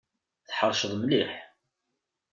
Tḥeṛceḍ mliḥ!